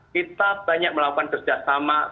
kita banyak melakukan kerjasama